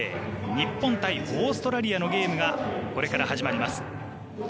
日本対オーストラリアのゲームがこれから始まります。